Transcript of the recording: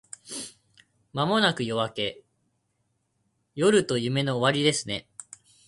間もなく夜明け…夜と夢の終わりですね